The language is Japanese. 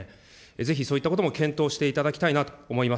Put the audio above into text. ぜひそういったことも検討していただきたいなと思います。